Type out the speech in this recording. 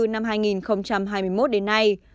năm hai nghìn hai mươi một đến nay